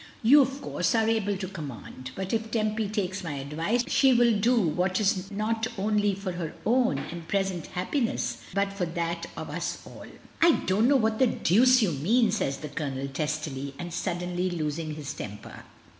"You, of course, are able to conunand, but if Tempy takes my advice, she will do what is not only for her own and present happiness but for that of us alL" "I don't know what the deuce you mean," says the Colonel, testily, and suddenly losing his temper.